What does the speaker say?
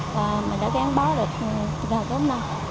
và mình đã gắn bó được vào tối nay